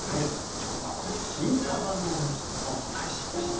今日は進化版のおやきお伝えしました。